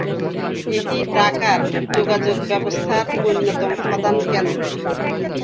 এটি ঢাকার যোগাযোগ ব্যবস্থার অন্যতম প্রধান কেন্দ্র।।